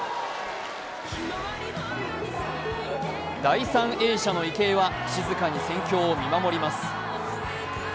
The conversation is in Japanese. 第３泳者の池江は静かに戦況を見守ります。